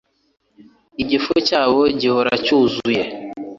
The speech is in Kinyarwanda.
igifu cyabo gihora cyuzuye